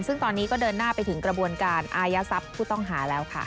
ซึ่งตอนนี้ก็เดินหน้าไปถึงกระบวนการอายัดทรัพย์ผู้ต้องหาแล้วค่ะ